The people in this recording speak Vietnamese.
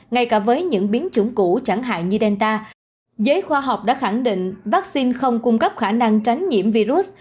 ngay cả với những biến chủng cũ chẳng hạn như delta giới khoa học đã khẳng định vaccine không cung cấp khả năng tránh nhiễm virus